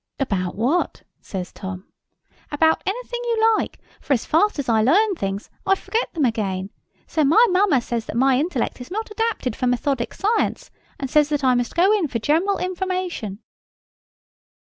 "About what?" says Tom. "About anything you like; for as fast as I learn things I forget them again. So my mamma says that my intellect is not adapted for methodic science, and says that I must go in for general information."